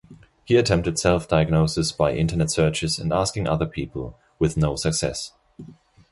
He attempted self-diagnosis by Internet searches and asking other people, with no success.